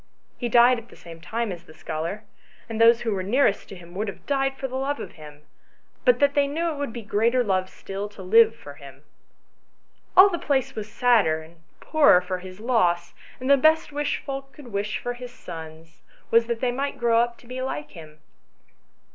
He died at the same time as the scholar, and those who were nearest to him would have died for love of him, but that they knew it would be greater love still to live for him. All the place was sadder and poorer for his loss, and the best wish folk could wish his sons was that they might grow up to be like him."